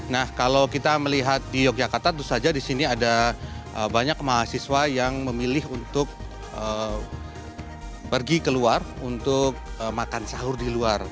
nah kalau kita melihat di yogyakarta itu saja di sini ada banyak mahasiswa yang memilih untuk pergi keluar untuk makan sahur di luar